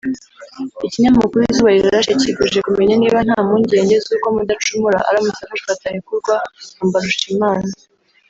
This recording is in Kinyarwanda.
Ikinyamakuru Izuba Rirashe cyifuje kumenya niba nta mpungenge z’uko Mudacumura aramutse afashwe atarekurwa nka Mbarushimana